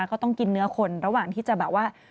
เขาต้องกินเนื้อคนระหว่างที่จะแบบว่า